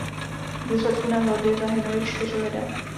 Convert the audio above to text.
V důsledku nehody zahynuli čtyři lidé.